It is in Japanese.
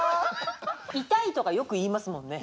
痛いとかよく言いますもんね。